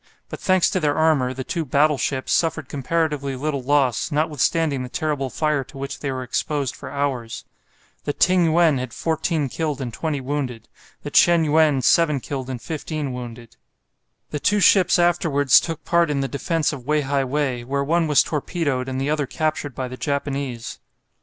But, thanks to their armour, the two "battleships" suffered comparatively little loss, notwithstanding the terrible fire to which they were exposed for hours. The "Ting yuen" had 14 killed and 20 wounded, the "Chen yuen" 7 killed and 15 wounded. The two ships afterwards took part in the defence of Wei hai wei, where one was torpedoed and the other captured by the Japanese.